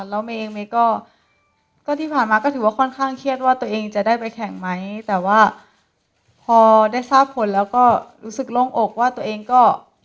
แล้วเมย์เองเมย์ก็ที่ผ่านมาก็ถือว่าค่อนข้างเครียดว่าตัวเองจะได้ไปแข่งไหมแต่ว่าพอได้ทราบผลแล้วก็รู้สึกโล่งอกว่าตัวเองก็